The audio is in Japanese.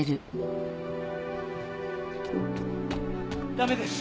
駄目です。